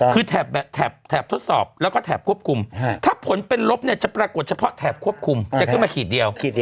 คือแถบดสอบแล้วก็แถบควบคุมถ้าผลเป็นลบเนี่ยจะปรากฏเฉพาะแถบควบคุมจะขึ้นมาขีดเดียว